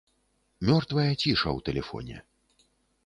Мёртвая ціша ў тэлефоне.